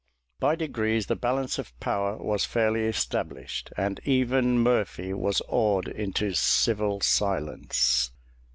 By degrees the balance of power was fairly established, and even Murphy was awed into civil silence.